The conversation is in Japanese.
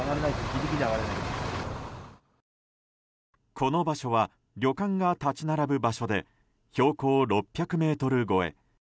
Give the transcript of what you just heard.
この場所は旅館が立ち並ぶ場所で標高６００ｍ超え。